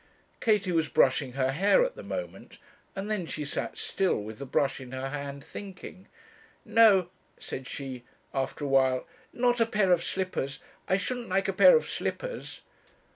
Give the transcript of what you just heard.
Katie was brushing her hair at the moment, and then she sat still with the brush in her hand, thinking. 'No,' said she, after a while, 'not a pair of slippers I shouldn't like a pair of slippers.'